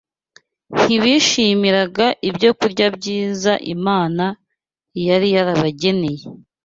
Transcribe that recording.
Ntibishimiraga ibyokurya byiza Imana yari yarabageneye